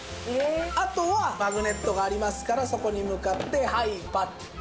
あとはマグネットがありますからそこに向かってはいパッチンでございます。